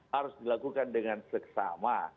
harus dilakukan dengan sekesama